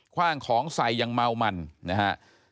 ว่างของใส่ยังเมามันนะฮะ